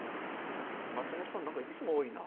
松本さん何かいっつも多いな。